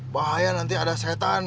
bahaya nanti ada setan